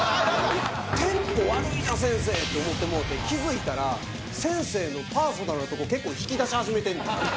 テンポ悪いな先生と思ってもうて気付いたら先生のパーソナルなとこ結構引き出し始めてんのよ。